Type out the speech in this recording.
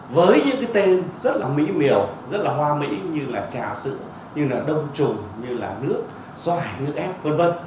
với những cái tên rất là mỹ miều rất là hoa mỹ như là trà sự như là đông trùng như là nước xoài nước ép v v